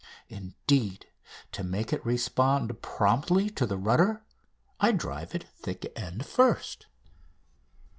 Indeed, to make it respond promptly to the rudder, I drive it thick end first.